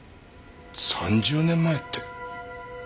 ３０年前って。